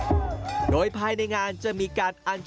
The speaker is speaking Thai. ซึ่งเป็นประเพณีที่มีหนึ่งเดียวในประเทศไทยและหนึ่งเดียวในโลก